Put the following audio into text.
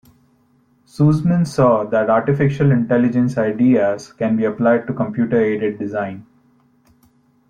Sussman saw that artificial intelligence ideas can be applied to computer-aided design.